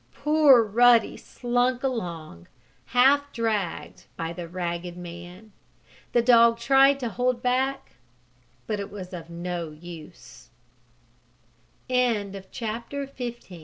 Poor Ruddy slunk along, half dragged by the ragged man. The dog tried to hold back but it was of no use. CHAPTER XVI CAMPING OUT R